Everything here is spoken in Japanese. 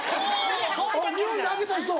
日本で開けた人？